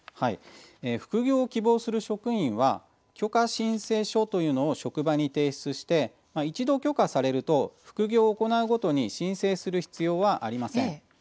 副業を希望する職員は許可申請書というのを職場に提出して一度、許可されると副業を行うごとに申請する必要はありません。